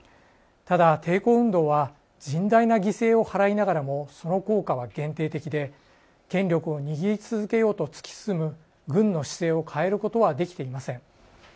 ただ、抵抗運動は甚大な犠牲を払いながらもその効果は限定的で権力を握り続けようと突き進む軍の姿勢を変えることはできていません。